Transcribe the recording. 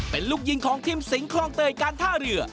เป็นลูกยิงของทีมสิงคลองเตยการท่าเรือ